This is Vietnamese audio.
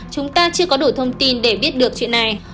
chúng ta chưa có đủ thông tin để biết được chuyện này